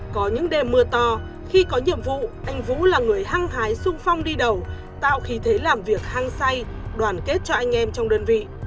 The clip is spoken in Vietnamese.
có những đêm mưa to khi có nhiệm vụ anh vũ là người hăng hái sung phong đi đầu tạo khí thế làm việc hăng say đoàn kết cho anh em trong đơn vị